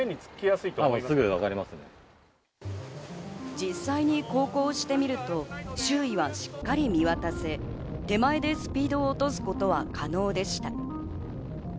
実際に航行してみると、周囲はしっかり見渡せ、手前でスピードを落とすことは可能でした。